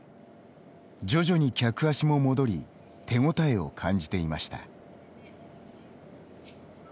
徐々に客足も戻り手応えを感じていました。